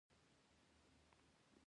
د بلخ په زاري کې د څه شي نښې دي؟